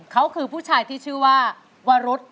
เขาคือผู้ชายที่ชื่อว่าวรุษ